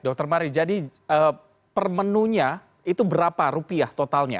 dr mari jadi per menunya itu berapa rupiah totalnya